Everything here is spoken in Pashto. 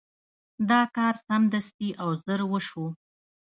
دا کار سمدستي او ژر وشو.